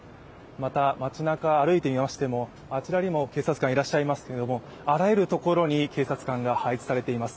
また街なか歩いてみましてもあちらにも警察官いらっしゃいますけれどもあらゆるところに警察官が配置されています。